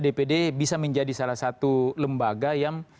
dpd bisa menjadi salah satu lembaga yang